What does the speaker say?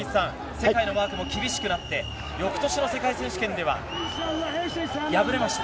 世界のマークも厳しくなって翌年の世界選手権では敗れました。